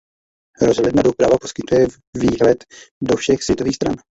Rozhledna Doubrava poskytuje výhled do všech světových stran.